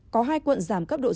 có hai quận giảm cấp độ dịch